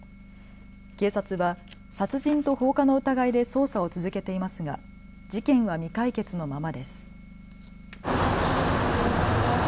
警察は殺人と放火の疑いで捜査を続けていますが事件は未解決のままです。